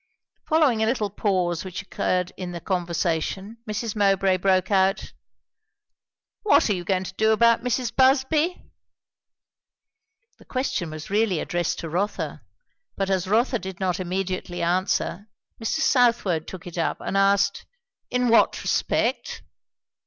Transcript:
Following a little pause which occurred in the conversation, Mrs. Mowbray broke out, "What are you going to do about Mrs. Busby?" The question was really addressed to Rotha; but as Rotha did not immediately answer, Mr. Southwode took it up, and asked "in what respect?"